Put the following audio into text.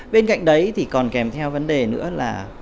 bên cạnh đấy thì còn kèm theo vấn đề nữa là